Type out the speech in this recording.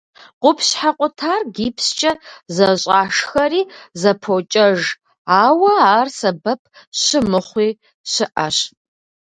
Къупщхьэ къутар гипскӏэ зэщӏашхэри зэпокӏэж, ауэ ар сэбэп щымыхъуи щыӏэщ.